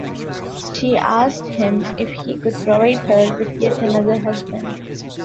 She asked him if he could provide her with yet another husband.